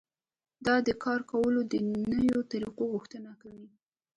دا د کار کولو د نويو طريقو غوښتنه کوي.